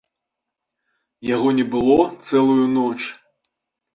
Яго не было цэлую ноч.